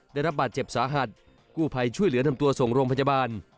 ได้รับบาดเจ็บสาหัสกู้ภัยช่วยเหลือนำตัวส่งโรงพยาบาล